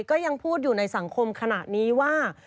ก็ยังพูดอยู่ในสังคมขณะนี้ว่า